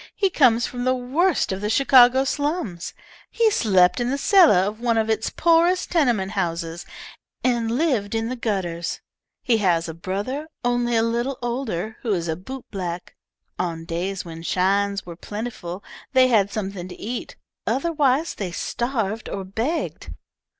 He comes from the worst of the Chicago slums. He slept in the cellar of one of its poorest tenement houses, and lived in the gutters. He has a brother only a little older, who is a bootblack. On days when shines were plentiful they had something to eat, otherwise they starved or begged."